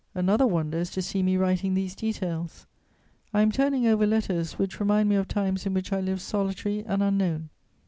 Another wonder is to see me writing these details. I am turning over letters which remind me of times in which I lived solitary and unknown.